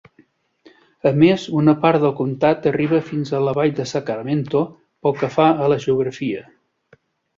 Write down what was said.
A més, una part del comtat arriba fins a la Vall de Sacramento, pel que fa a la geografia.